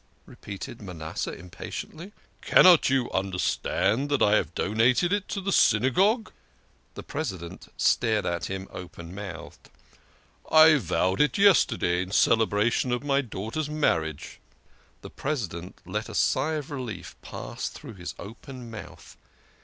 repeated Manasseh impatiently. "Can not you understand that I have donated it to the Syna gogue ?" The President stared at him open mouthed. " I vowed it yesterday in celebration of my daughter's marriage." The President let a sigh of relief pass through his open mouth.